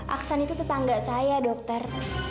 aksan itu tetangga saya dokter